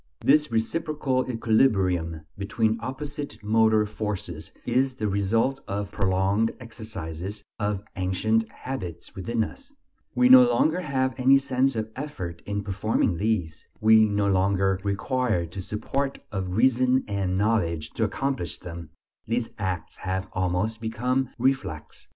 This reciprocal equilibrium between opposite motor forces is the result of prolonged exercises, of ancient habits within us; we no longer have any sense of effort in performing these, we no longer require the support of reason and knowledge to accomplish them; these acts have almost become reflex.